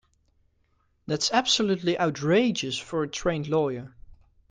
That's absolutely outrageous for a trained lawyer.